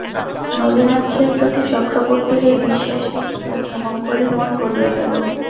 নলিনাক্ষের প্রতি চক্রবর্তীর এই বিশ্বাস দেখিয়া ক্ষেমংকরীর মন গলিয়া গেল।